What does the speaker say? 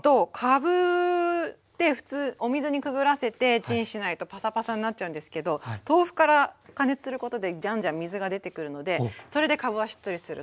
かぶって普通お水にくぐらせてチンしないとパサパサになっちゃうんですけど豆腐から加熱することでじゃんじゃん水が出てくるのでそれでかぶはしっとりすると。